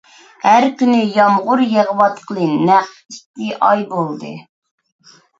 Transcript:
ھەر كۈنى يامغۇر يېغىۋاتقىلى نەق ئىككى ئاي بولدى.